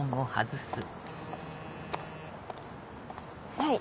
はい。